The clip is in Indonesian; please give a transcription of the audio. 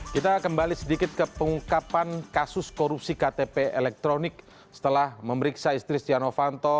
kita kembali sedikit ke pengungkapan kasus korupsi ktp elektronik setelah memeriksa istri stiano fanto